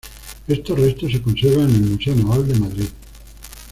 Estos restos se conservan en el Museo Naval de Madrid.